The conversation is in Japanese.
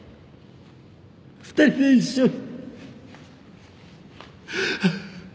２人で一緒に。